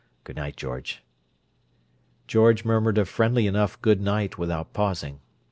Good night, George." George murmured a friendly enough good night without pausing.